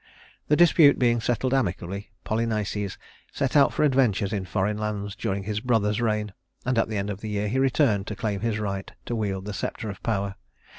The dispute being settled amicably, Polynices set out for adventures in foreign lands during his brother's reign; and at the end of the year he returned to claim his right to wield the scepter of power.